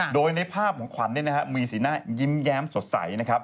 โดยในภาพของขวัญมีสีหน้ายิ้มแย้มสดใสนะครับ